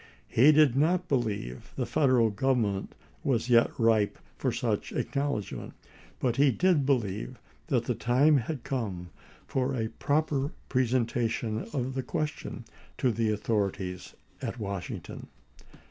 He did not believe the Federal Government was yet ripe for such acknowledgment, but he did believe that the time had come for a proper presentation of the question to the authorities at Washington.